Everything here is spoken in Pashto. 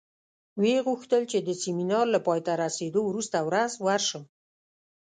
ویې غوښتل چې د سیمینار له پای ته رسېدو وروسته ورځ ورشم.